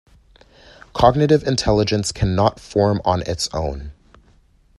Cognitive Intelligence cannot form on its own.